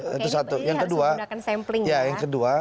oke ini harus menggunakan sampling ya